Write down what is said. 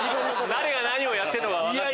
誰が何をやってるのか分かってない。